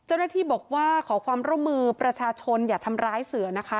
เจ้าหน้าที่บอกว่าขอความร่วมมือประชาชนอย่าทำร้ายเสือนะคะ